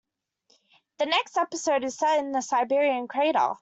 The next episode is set in a Siberian crater.